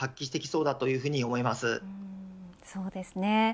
そうですね。